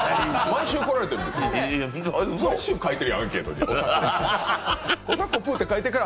毎週来られてるんですか？